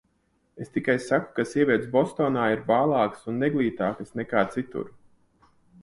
Es tikai saku, ka sievietes Bostonā ir bālākas un neglītākas nekā citur.